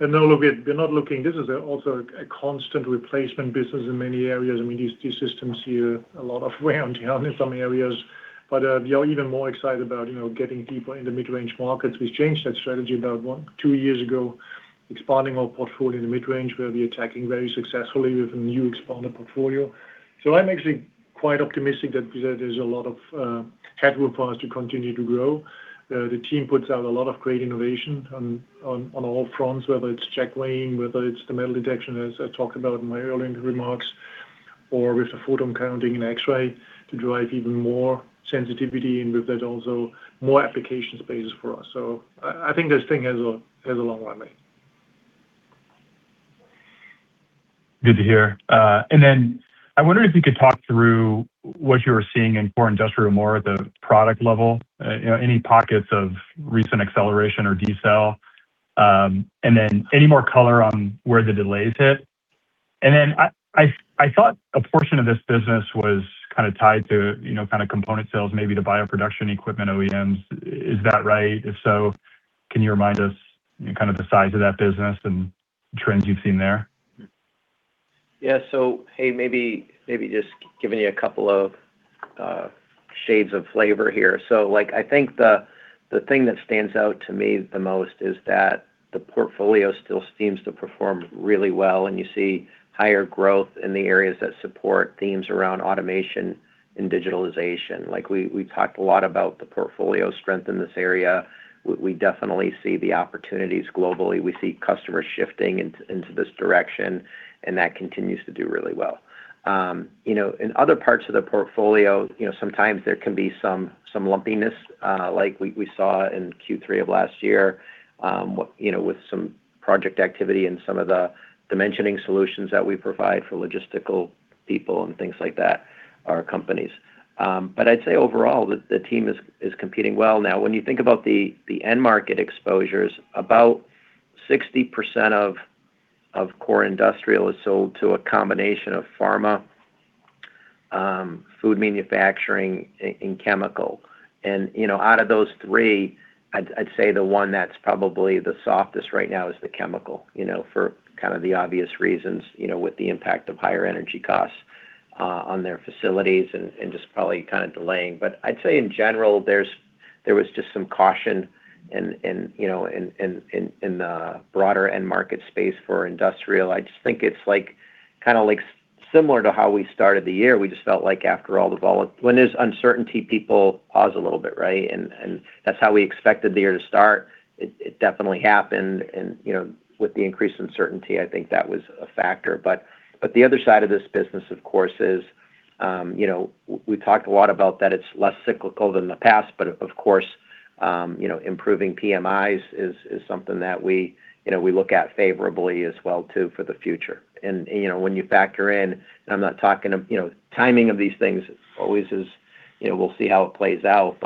No, look, we're not looking. This is also a constant replacement business in many areas. I mean, these systems here, a lot of wear and tear in some areas. We are even more excited about, you know, getting deeper in the mid-range markets. We've changed that strategy about one, two years ago, expanding our portfolio in the mid-range where we're attacking very successfully with a new expanded portfolio. I'm actually quite optimistic that there's a lot of headroom for us to continue to grow. The team puts out a lot of great innovation on all fronts, whether it's check lane, whether it's the metal detection, as I talked about in my earlier remarks, or with the photon counting and X-ray to drive even more sensitivity and with that also more application spaces for us. I think this thing has a long run in. Good to hear. I wonder if you could talk through what you're seeing in core industrial, more at the product level. You know, any pockets of recent acceleration or decel? Any more color on where the delays hit? I thought a portion of this business was kind of tied to, you know, kind of component sales, maybe to bioproduction equipment OEMs. Is that right? If so, can you remind us kind of the size of that business and trends you've seen there? Maybe just giving you a couple of shades of flavor here. Like, I think the thing that stands out to me the most is that the portfolio still seems to perform really well, and you see higher growth in the areas that support themes around automation and digitalization. Like, we talked a lot about the portfolio strength in this area. We definitely see the opportunities globally. We see customers shifting into this direction, and that continues to do really well. You know, in other parts of the portfolio, you know, sometimes there can be some lumpiness, like we saw in Q3 of last year, you know, with some project activity and some of the dimensioning solutions that we provide for logistical people and things like that, or companies. I'd say overall, the team is competing well. Now, when you think about the end market exposures, about 60% of core industrial is sold to a combination of pharma, food manufacturing, and chemical. You know, out of those three, I'd say the one that's probably the softest right now is the chemical, you know, for kind of the obvious reasons, you know, with the impact of higher energy costs on their facilities and just probably kind of delaying. I'd say in general, there was just some caution in, you know, in the broader end market space for industrial. Similar to how we started the year, we just felt like after all the When there's uncertainty, people pause a little bit, right? That's how we expected the year to start. It definitely happened and, you know, with the increased uncertainty, I think that was a factor. The other side of this business, of course, is, you know, we talked a lot about that it's less cyclical than the past, but of course, you know, improving PMI is something that we, you know, we look at favorably as well too for the future. You know, when you factor in, and I'm not talking You know, timing of these things always is You know, we'll see how it plays out.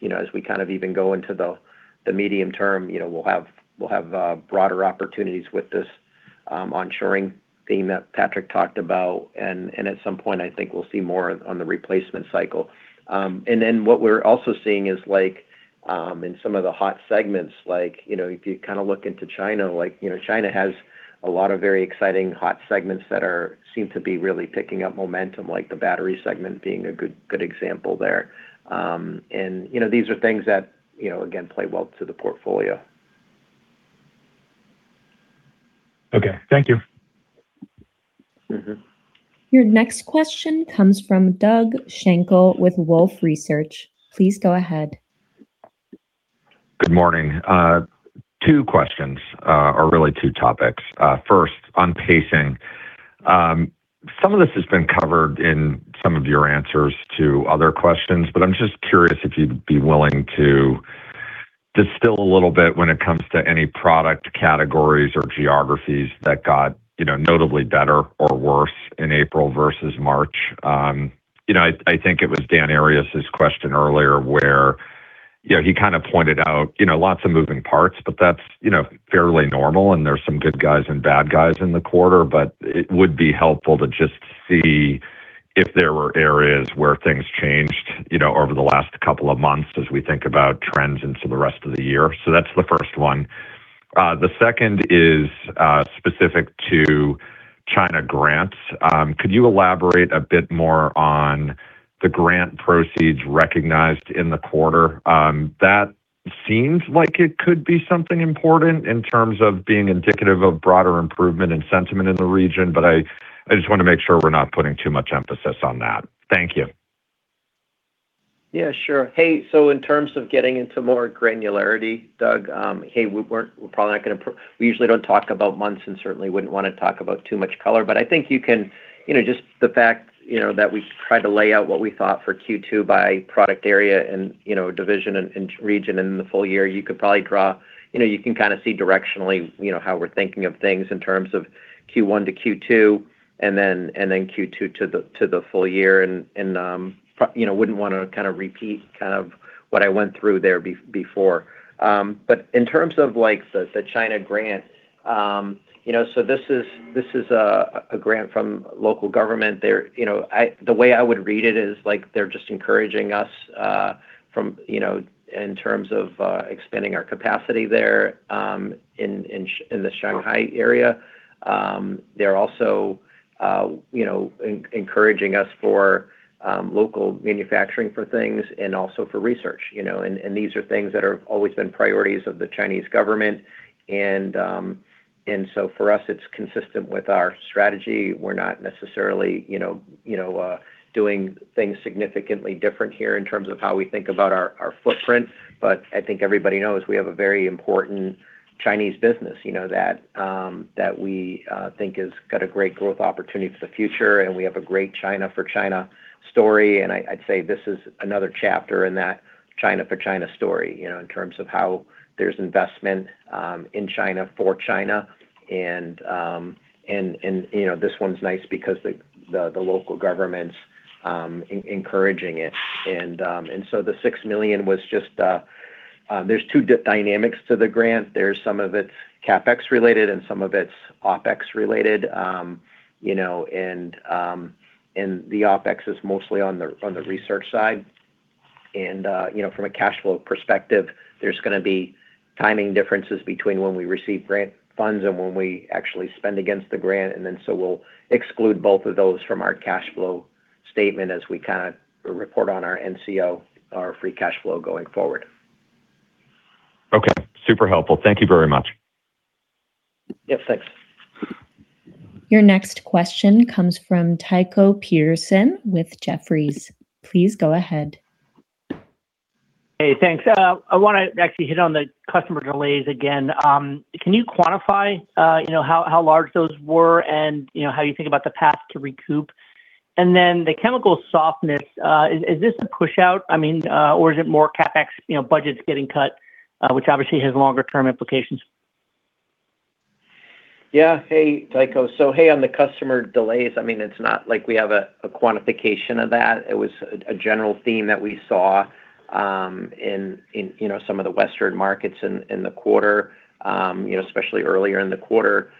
You know, as we kind of even go into the medium term, you know, we'll have broader opportunities with this onshoring theme that Patrick talked about. At some point I think we'll see more on the replacement cycle. What we're also seeing is like in some of the hot segments, like, you know, if you kind of look into China, like, you know, China has a lot of very exciting hot segments that seem to be really picking up momentum, like the battery segment being a good example there. You know, these are things that, you know, again, play well to the portfolio. Okay. Thank you. Your next question comes from Doug Schenkel with Wolfe Research. Please go ahead. Good morning. Two questions, or really two topics. First on pacing. Some of this has been covered in some of your answers to other questions, but I'm just curious if you'd be willing to distill a little bit when it comes to any product categories or geographies that got, you know, notably better or worse in April versus March. You know, I think it was Dan Arias' question earlier where, you know, he kind of pointed out, you know, lots of moving parts, but that's, you know, fairly normal and there's some good guys and bad guys in the quarter. It would be helpful to just see if there were areas where things changed, you know, over the last couple of months as we think about trends into the rest of the year. That's the first one. The second is specific to China grants. Could you elaborate a bit more on the grant proceeds recognized in the quarter? That seems like it could be something important in terms of being indicative of broader improvement and sentiment in the region, but I just wanna make sure we're not putting too much emphasis on that. Thank you. Yeah, sure. Hey, in terms of getting into more granularity, Doug, hey, we usually don't talk about months and certainly wouldn't wanna talk about too much color. I think you can, you know, just the fact, you know, that we try to lay out what we thought for Q2 by product area and, you know, division and region and the full year. You know, you can kind of see directionally, you know, how we're thinking of things in terms of Q1 to Q2 and then Q2 to the full year and, you know, wouldn't wanna kind of repeat kind of what I went through there before. In terms of like the China grant, you know, this is a grant from local government. They're, you know, I The way I would read it is like they're just encouraging us from, you know, in terms of expanding our capacity there in the Shanghai area. They're also, you know, encouraging us for local manufacturing for things and also for research, you know. These are things that have always been priorities of the Chinese government and so for us it's consistent with our strategy. We're not necessarily, you know, doing things significantly different here in terms of how we think about our footprint. I think everybody knows we have a very important Chinese business, you know, that we think has got a great growth opportunity for the future and we have a great China for China story. I'd say this is another chapter in that China for China story, you know, in terms of how there's investment in China for China and, you know, this one's nice because the local government's encouraging it. There's two dynamics to the grant. There's some of it's CapEx related and some of it's OpEx related. You know, the OpEx is mostly on the research side. You know, from a cash flow perspective, there's gonna be timing differences between when we receive grant funds and when we actually spend against the grant. We'll exclude both of those from our cash flow statement as we kind of report on our NCO, our free cash flow going forward. Okay. Super helpful. Thank you very much. Yeah. Thanks. Your next question comes from Tycho Peterson with Jefferies. Please go ahead. Hey, thanks. I wanna actually hit on the customer delays again. Can you quantify, you know, how large those were and, you know, how you think about the path to recoup? Then the chemical softness, is this a push out? I mean, or is it more CapEx, you know, budgets getting cut, which obviously has longer term implications? Yeah. Hey, Tycho. Hey, on the customer delays, I mean, it's not like we have a quantification of that. It was a general theme that we saw, in, you know, some of the Western markets in the quarter, you know, especially earlier in the quarter.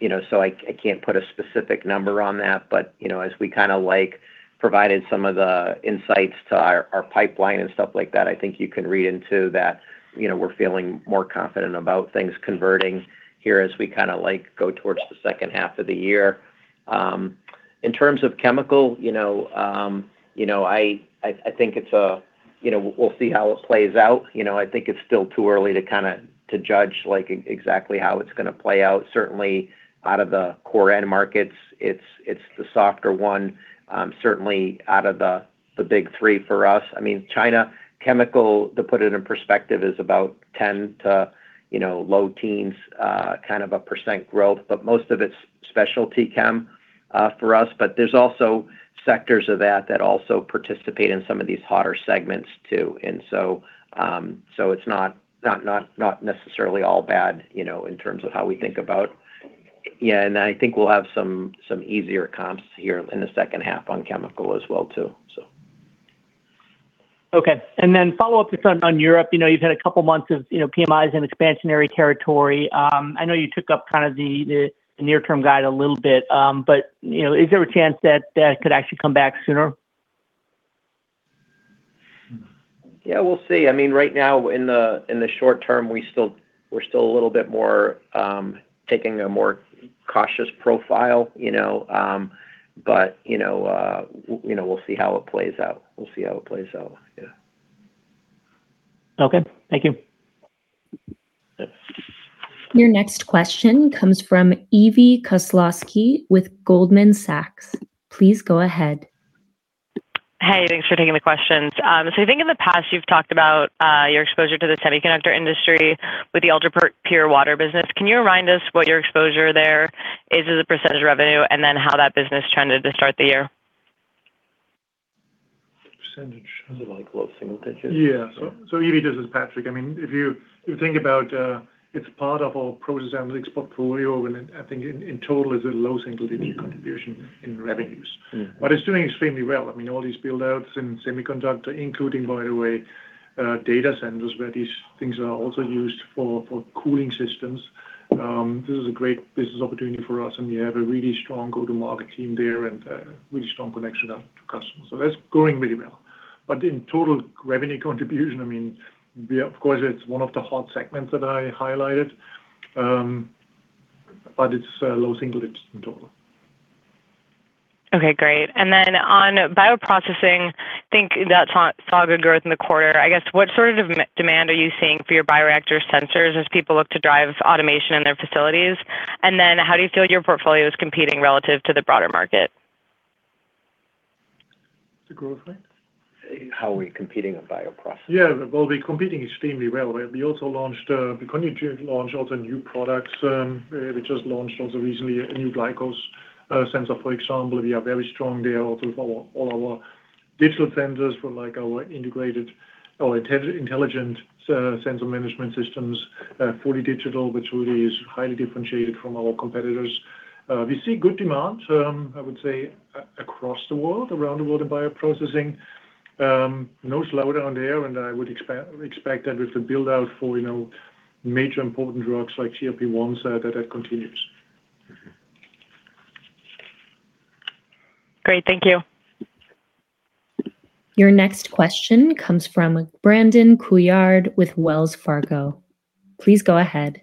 You know, I can't put a specific number on that. You know, as we kind of like provided some of the insights to our pipeline and stuff like that, I think you can read into that, you know, we're feeling more confident about things converting here as we kind of like go towards the second half of the year. In terms of chemical, you know, I think it's a, you know, we'll see how it plays out. You know, I think it's still too early to kinda, to judge, like, exactly how it's gonna play out. Certainly out of the core end markets, it's the softer one, certainly out of the big three for us. I mean, China chemical, to put it in perspective, is about 10 to, you know, low teens, kind of a percent growth. Most of it's specialty chem for us. There's also sectors of that that also participate in some of these hotter segments too. It's not necessarily all bad, you know, in terms of how we think about. Yeah, I think we'll have some easier comps here in the second half on chemical as well too. Okay. Follow up just on Europe. You know, you've had a couple months of, you know, PMI in expansionary territory. I know you took up kind of the near term guide a little bit. You know, is there a chance that that could actually come back sooner? Yeah, we'll see. I mean, right now in the short term, we're still a little bit more taking a more cautious profile, you know. You know, we'll see how it plays out. We'll see how it plays out. Yeah. Okay. Thank you. Yes. Your next question comes from Evie Koslosky with Goldman Sachs. Please go ahead. Hey, thanks for taking the questions. I think in the past you've talked about your exposure to the semiconductor industry with the ultra pure water business. Can you remind us what your exposure there is as a percentage of revenue, and then how that business tended to start the year? Percentage. Is it like low single digits? Yeah. So Evie, this is Patrick. I mean, if you think about, it's part of our process analytics portfolio, and I think in total is a low single-digit contribution in revenues. It's doing extremely well. I mean, all these build-outs in semiconductor, including, by the way, data centers, where these things are also used for cooling systems. This is a great business opportunity for us, and we have a really strong go-to-market team there and a really strong connection to customers. That's growing really well. In total revenue contribution, I mean, we, of course, it's one of the hot segments that I highlighted, but it's low single digits in total. Okay, great. On bioprocessing, think that saw good growth in the quarter. I guess, what sort of demand are you seeing for your bioreactor sensors as people look to drive automation in their facilities? How do you feel your portfolio is competing relative to the broader market? The growth rate? How are we competing on bioprocessing? Well, we're competing extremely well. We also launched, we continue to launch also new products. We just launched also recently a new glucose sensor, for example. We are very strong there. Also with all our digital sensors for like our integrated or Intelligent Sensor Management systems. Fully digital, which really is highly differentiated from our competitors. We see good demand, I would say across the world, around the world in bioprocessing. No slowdown there, I would expect that with the build-out for, you know, major important drugs like GLP-1, that continues. Great. Thank you. Your next question comes from Brandon Couillard with Wells Fargo. Please go ahead.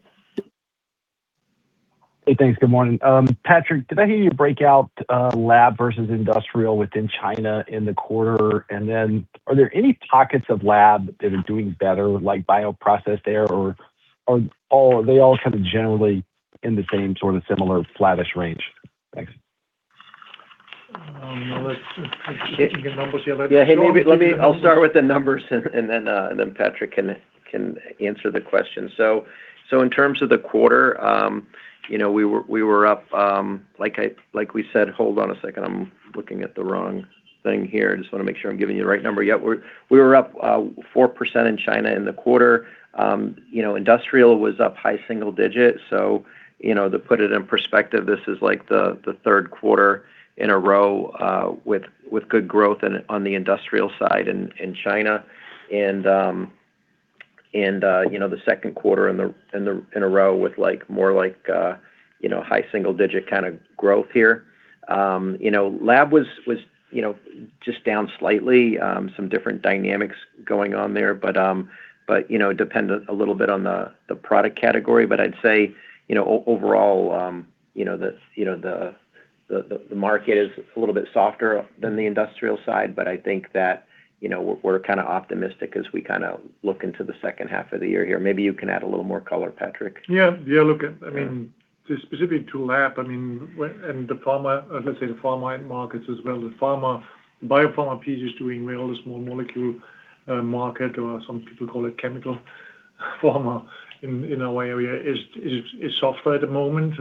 Hey, thanks. Good morning. Patrick, did I hear you break out lab versus industrial within China in the quarter? Are there any pockets of lab that are doing better, like bioprocess there, or are they all kind of generally in the same sort of similar flattish range? Thanks. No, I'm looking at numbers here. Yeah. Hey, maybe let me, I'll start with the numbers, then Patrick can answer the question. In terms of the quarter, you know, we were up, Hold on a second. I'm looking at the wrong thing here. I just want to make sure I'm giving you the right number. Yeah, we were up 4% in China in the quarter. You know, industrial was up high single-digit, you know, to put it in perspective, this is like the third quarter in a row with good growth on the industrial side in China. You know, the second quarter in a row with like, more like, you know, high single-digit kind of growth here. You know, lab was, you know, just down slightly. Some different dynamics going on there, but, you know, dependent a little bit on the product category. I'd say, you know, overall, you know, the, you know, the market is a little bit softer than the industrial side, but I think that, you know, we're kinda optimistic as we kinda look into the second half of the year here. Maybe you can add a little more color, Patrick. Look, I mean, just specifically to lab, I mean, when the pharma, let's say the pharma markets as well, the pharma, biopharma piece is doing well. The small molecule market, or some people call it chemical pharma in our area is softer at the moment.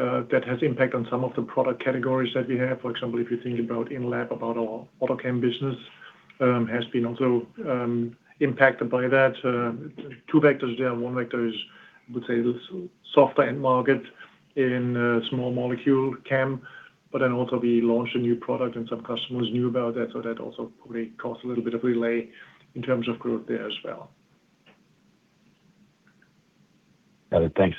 That has impact on some of the product categories that we have. For example, if you think about in lab, about our AutoChem business, has been also impacted by that. Two vectors there. One vector is, I would say the softer end market in small molecule chem. Also we launched a new product and some customers knew about that, so that also probably caused a little bit of delay in terms of growth there as well. Got it. Thanks.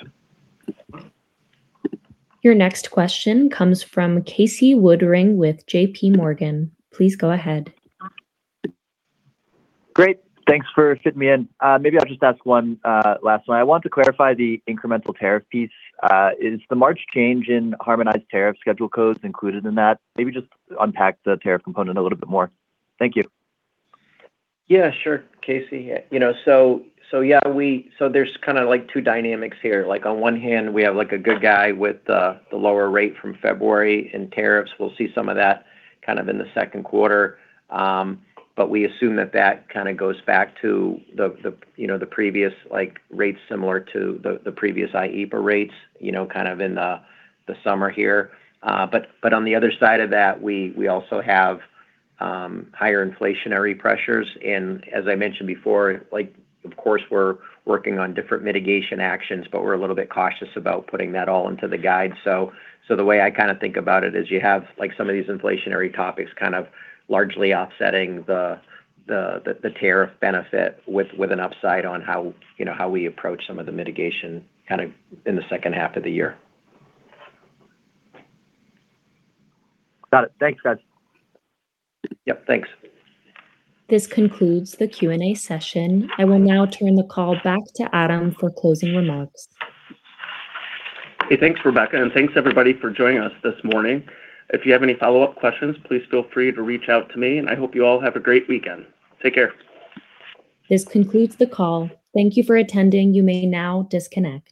Your next question comes from Casey Woodring with JPMorgan. Please go ahead. Great. Thanks for fitting me in. Maybe I'll just ask one, last one. I want to clarify the incremental tariff piece. Is the March change in Harmonized Tariff Schedule codes included in that? Maybe just unpack the tariff component a little bit more. Thank you. Yeah, sure, Casey. You know, so yeah, there's kind of like two dynamics here. On one hand, we have like a good guy with the lower rate from February in tariffs. We'll see some of that kind of in the second quarter. We assume that that kind of goes back to the, you know, the previous, like, rates similar to the previous IEEPA rates, you know, kind of in the summer here. On the other side of that, we also have higher inflationary pressures, as I mentioned before, like of course we're working on different mitigation actions, but we're a little bit cautious about putting that all into the guide. The way I kinda think about it is you have like some of these inflationary topics kind of largely offsetting the tariff benefit with an upside on how, you know, how we approach some of the mitigation kind of in the second half of the year. Got it. Thanks, guys. Yep, thanks. This concludes the Q&A session. I will now turn the call back to Adam for closing remarks. Hey, thanks, Rebecca, and thanks everybody for joining us this morning. If you have any follow-up questions, please feel free to reach out to me, and I hope you all have a great weekend. Take care. This concludes the call. Thank you for attending. You may now disconnect.